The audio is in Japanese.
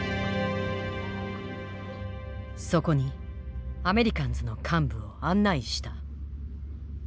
そこにアメリカンズの幹部を案内した。